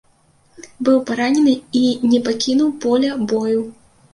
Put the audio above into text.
Быў паранены і не пакінуў поля бою.